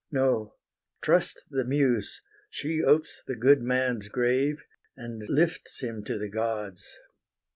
No, trust the Muse: she opes the good man's grave, And lifts him to the gods.